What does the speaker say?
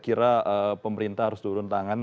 kira pemerintah harus turun tangan